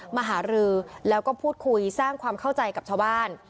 มหารือแล้วก็พูดคุยสร้างความเข้าใจกับชาวบ้าน